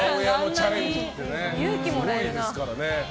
勇気もらえるな。